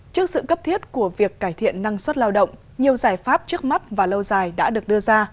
trước sự cấp thiết của việc cải thiện năng suất lao động nhiều giải pháp trước mắt và lâu dài đã được đưa ra